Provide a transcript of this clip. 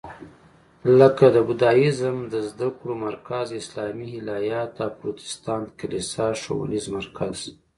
لکه د بودیزم د زده کړو مرکز، اسلامي الهیات او پروتستانت کلیسا ښوونیز مرکز.